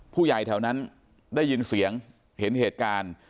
ผู้ใหญ่แถวนั้นได้ยินเสียงเห็นเหตุการณ์